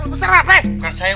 masalah besar apa eh